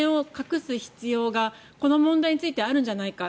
一線を画す必要がこの問題についてはあるんじゃないか。